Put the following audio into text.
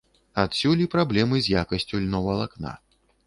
Адсюль і праблемы з якасцю льновалакна.